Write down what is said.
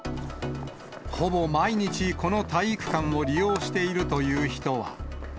ほぼ毎日、この体育館を利用しているという人は。